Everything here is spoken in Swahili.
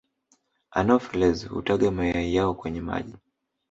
Anopheles hutaga mayai yao kwenye maji